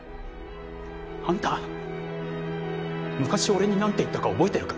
あんた昔俺になんて言ったか覚えてるか？